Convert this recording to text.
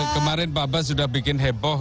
kemarin pak bas sudah bikin heboh